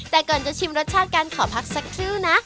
แต่ก่อนจะชิมรสชาติกันขอพักสักคิวนะ